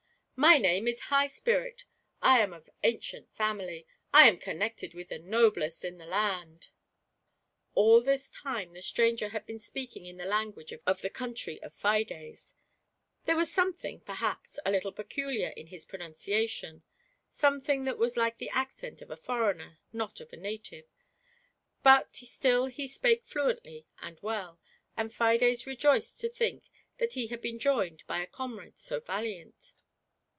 "My name is High Spirit; I am of ancient family; I am connected with the noblest in the land !" 152 GIANT PRIDE. All this time the stranger had been speaking in the language of the country of Fides; there was something, perhaps, a little peculiar in his pronunciation, something that was like the accent of a foreigner, not of a native, but still he spake fluently and well, and Fides rejoiced to think that he had been joined by a connude so valiant.